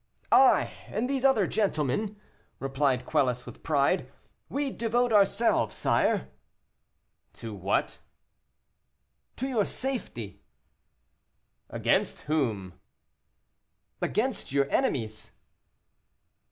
"I, and these other gentlemen," replied Quelus, with pride; "we devote ourselves, sire." "To what?" "To your safety." "Against whom?" "Against your enemies."